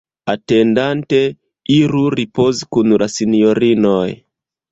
Atendante, iru ripozi kun la sinjorinoj.